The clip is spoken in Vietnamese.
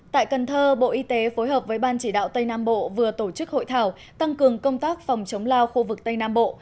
tại cần thơ bộ y tế phối hợp với ban chỉ đạo tây nam bộ vừa tổ chức hội thảo tăng cường công tác phòng chống lao khu vực tây nam bộ